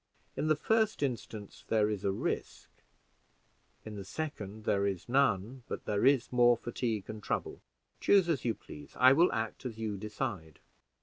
In the first instance there is a risk; in the second there is none, but there is more fatigue and trouble. Choose as you please; I will act as you decide."